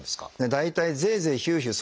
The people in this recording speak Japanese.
大体ゼーゼーヒューヒュー